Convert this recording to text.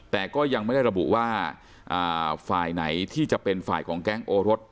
แต่ก็ยังไม่ได้ระบุว่าฝ่ายไหนที่จะเป็นฝ่ายของแก๊งโอรส